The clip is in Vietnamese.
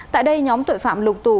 tại đây nhóm tội phạm lục tù